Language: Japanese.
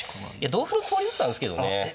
同歩のつもりだったんですけどね。